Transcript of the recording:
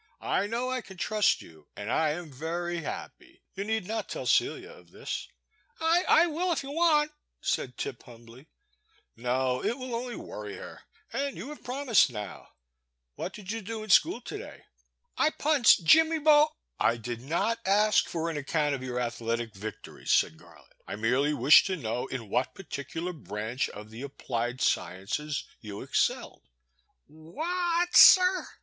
I know I can trust you, and I am very happy. You need not tell Celia of this." I — I will if you want ?" said Tip, humbly. No, — it win only worry her — and you have promised now. What did you do in school to day?" I punched Jimmy Bro — pUUCIlCU J UXLkll.}f JJIU »7 258 The Boy's Sister. I did not ask for an account of your athletic victories/* said Garland, I merely wished to know in what particular branch of the applied sciences you excelled. Wh— a— at, sir?